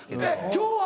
今日は？